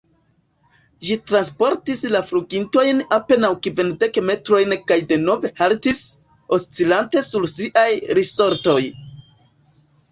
Ĝi transportis la flugintojn apenaŭ kvindek metrojn kaj denove haltis, oscilante sur siaj risortoj.